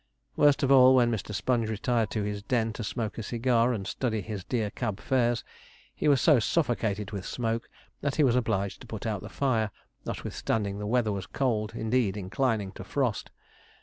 Worst of all, when Mr. Sponge retired to his den to smoke a cigar and study his dear cab fares, he was so suffocated with smoke that he was obliged to put out the fire, notwithstanding the weather was cold, indeed inclining to frost.